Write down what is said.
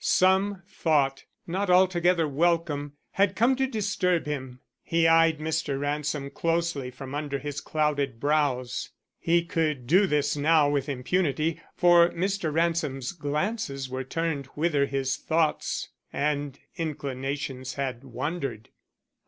Some thought, not altogether welcome, had come to disturb him. He eyed Mr. Ransom closely from under his clouded brows. He could do this now with impunity, for Mr. Ransom's glances were turned whither his thoughts and inclinations had wandered.